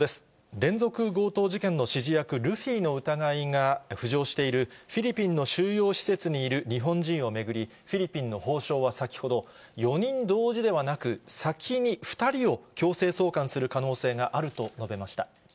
連続強盗事件の指示役、ルフィの疑いが浮上している、フィリピンの収容施設にいる日本人を巡り、フィリピンの法相は先ほど、４人同時ではなく、先に２人を強制送還する可能性があると述べました。